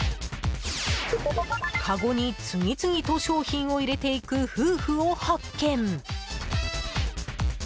かごに次々と商品を入れていく夫婦を発見。